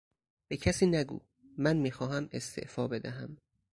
به کسی نگو; من میخواهم استعفا بدهم.